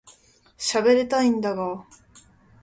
しゃべりたいんだが